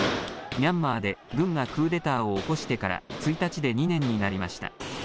ミャンマーで軍がクーデターを起こしてから１日で２年になりました。